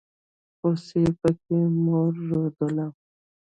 خوسي پکې مور رودله.